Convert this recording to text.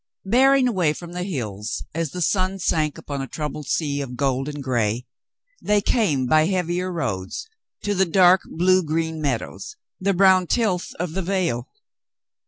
Bearing away from the hills as the sun sank upon a troubled sea of gold and gray, they came by heav ier roads to the dark, blue green meadows, the brown tilth of the vale.